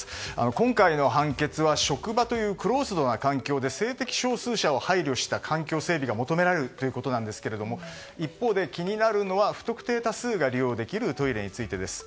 今回の判決は職場というクローズドな環境で性的少数者を配慮した環境整備が求められるということなんですが一方で気になるのは不特定多数が利用できるトイレについてです。